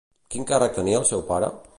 Quin càrrec tenia el seu pare?